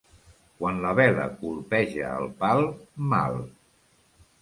Quan la vela colpeja el pal, mal.